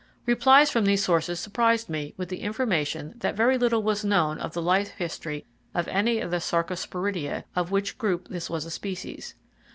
Replies from these sources surprised me with the information that very little was known of the life history of any of the Sarcosporidia, of which group this was a species.